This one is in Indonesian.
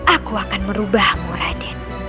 aku akan merubahmu raden